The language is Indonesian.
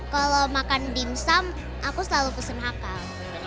kalau makan dimsum aku selalu pesen hakau